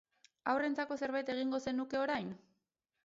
Haurrentzako zerbait egingo zenuke orain?